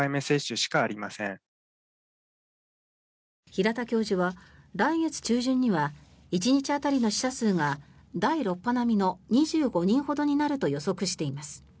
平田教授は来月中旬には１日当たりの死者数が第６波並みの２５人ほどになると予測しています。